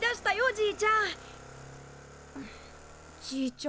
じいちゃん。